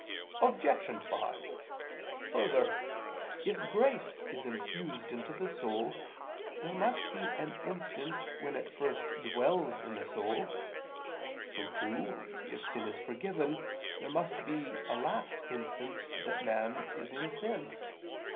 Obj. 5: Further, if grace is infused into the soul, there must be an instant when it first dwells in the soul; so, too, if sin is forgiven there must be a last instant that man is in sin.